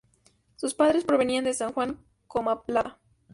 Sus padres provenían de San Juan Comalapa.